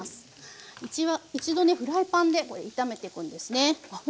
うちは一度ねフライパンで炒めてくんですね。